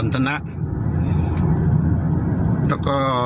ตัวก็